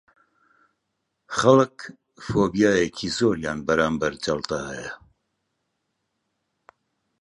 خەڵک فۆبیایەکی زۆریان بەرامبەر جەڵتە هەیە